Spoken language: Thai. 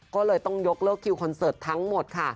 ก็เลยต้องยกเลิกคิวคอนเสิร์ตทั้งหมดค่ะ